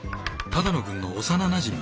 只野くんの幼なじみ。